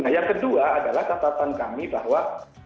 nah yang kedua adalah catatan kami bahwa